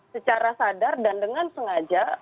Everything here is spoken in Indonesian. secara sadar dan dengan sengaja